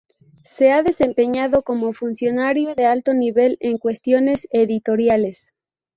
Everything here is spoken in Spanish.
Se ha desempeñado como funcionario de alto nivel en cuestiones editoriales.